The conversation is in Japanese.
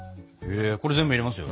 これ全部入れますよ。